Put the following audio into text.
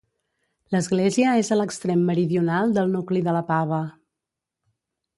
L'església és a l'extrem meridional del nucli de la Pava.